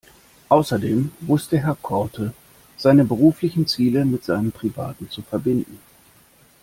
Außerdem wusste Herr Korte seine beruflichen Ziele mit seinen privaten zu verbinden.